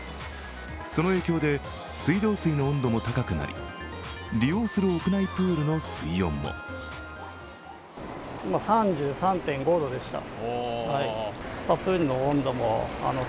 その影響で水道水の温度も高くなり利用する屋内プールの水温も復活した猛暑。